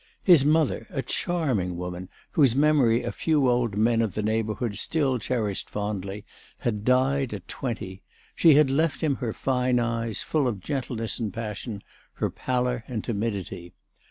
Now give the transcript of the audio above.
His mother, a charming woman, whose memory a few old men of the neighbourhood still cherished fondly, had died at twenty; she had left him her fine eyes, full of gentleness and passion, her pallor and timidity.